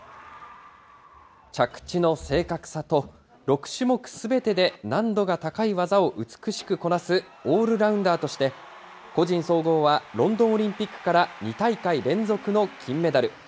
着地の正確さと６種目すべてで難度が高い技を美しくこなすオールラウンダーとして、個人総合はロンドンオリンピックから２大会連続の金メダル。